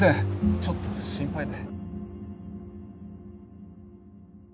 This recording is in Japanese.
ちょっと心配で。